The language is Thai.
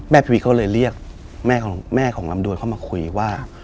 แม่พิวิตเขาเลยเรียกแม่ของลำดวนเข้ามาคุยว่า